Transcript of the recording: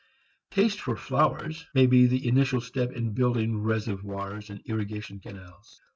Taste for flowers may be the initial step in building reservoirs and irrigation canals.